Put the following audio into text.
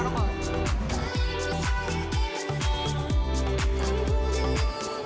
pernah jadi saya merek